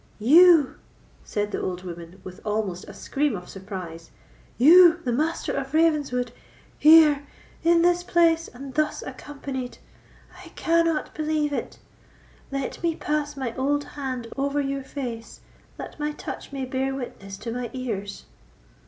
"You!" said the old woman, with almost a scream of surprise—"you the Master of Ravenswood—here—in this place, and thus accompanied! I cannot believe it. Let me pass my old hand over your face, that my touch may bear witness to my ears."